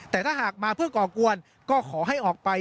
แต่ถ้าหากมาเพื่อก่อกวนก็ขอให้ออกไป